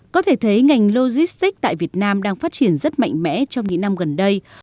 có thể thấy ngành logistics tại việt nam đang phát triển rất mạnh mẽ trong những năm gần đây